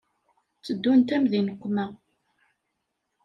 Teddunt-am di nneqma.